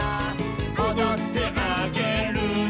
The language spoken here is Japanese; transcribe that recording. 「おどってあげるね」